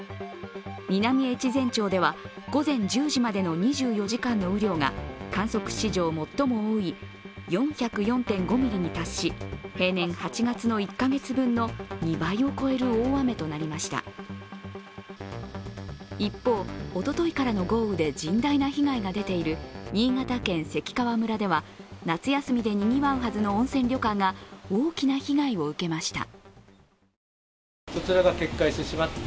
南越前町では午前１０時までの２４時間の雨量が観測史上最も多い４０４．５ミリに達し、平年８月の１カ月分の一方、おとといからの豪雨で甚大な被害が出ている新潟県関川村では夏休みでにぎわうはずの温泉旅館が大きな被害を受けました。